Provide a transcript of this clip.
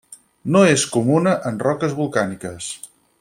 No és comuna en roques volcàniques.